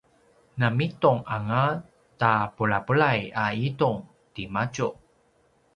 na mitung anga ta bulabulai a itung timadju